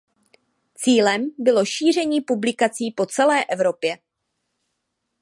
Cílem bylo šíření publikací po celé Evropě.